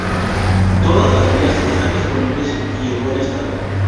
Todas las vías están disponibles y en buen estado.